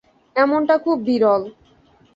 এমনটা খুব বিরল।